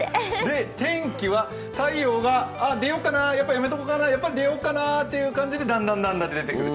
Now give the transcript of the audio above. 天気は太陽が出ようかな、やっぱやめとこうかな、やっぱり出ようかなという感じでだんだん出てくる。